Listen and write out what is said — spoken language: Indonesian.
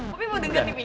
papi mau denger nih